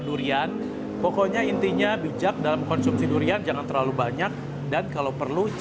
durian pokoknya intinya bijak dalam konsumsi durian jangan terlalu banyak dan kalau perlu